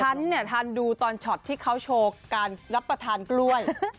ฉันเนี่ยทันดูตอนช็อตที่เขาโชว์การรับประทานกล้วย